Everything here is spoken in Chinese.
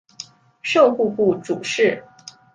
授户部主事。